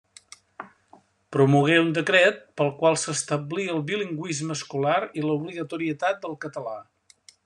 Promogué un decret pel qual s'establí el bilingüisme escolar i l'obligatorietat del català.